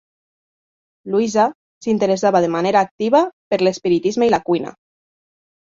Louisa s'interessava de manera activa per l'espiritisme i la cuina.